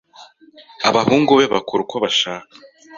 Abahungu be bakora uko bashaka.